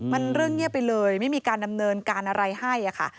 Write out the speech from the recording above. มันเรื่องเงียบไปเลยไม่มีการดำเนินการอะไรให้ค่ะ